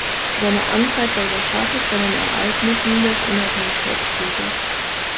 Seine Amtszeit war überschattet von den Ereignissen des Unabhängigkeitskriegs.